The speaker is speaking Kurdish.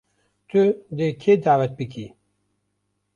Tu dê kê dawet bikî.